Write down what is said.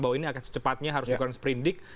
bahwa ini akan secepatnya harus dikurangkan sepereindik